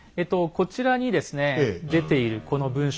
こちらにですね出ているこの文書。